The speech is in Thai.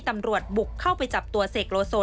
ตำรวจบุกเข้าไปจับตัวเสกโลโซ